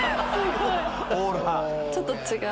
ちょっと違う。